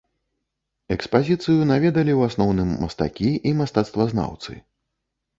Экспазіцыю наведалі ў асноўным мастакі і мастацтвазнаўцы.